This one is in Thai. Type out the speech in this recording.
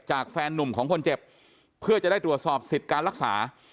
แฟนนุ่มของคนเจ็บเพื่อจะได้ตรวจสอบสิทธิ์การรักษา